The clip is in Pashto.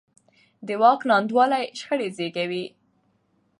د واک ناانډولي شخړې زېږوي